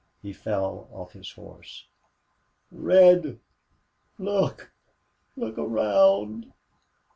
He fell off his horse. "Red! Look look around!"